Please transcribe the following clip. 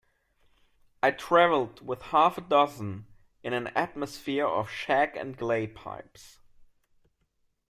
I travelled with half a dozen in an atmosphere of shag and clay pipes.